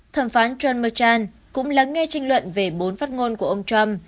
thẩm phán john merchan cũng lắng nghe tranh luận về bốn phát ngôn của ông trump